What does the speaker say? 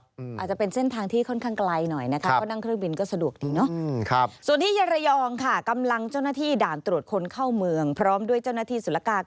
อาจจะเป็นเส้นทางที่ค่อนข้างไกลหน่อยนะครับ